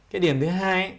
cái điểm thứ hai